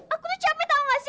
aku tuh capek tau gak sih